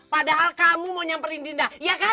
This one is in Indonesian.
padahal kamu mau nyamperin dinda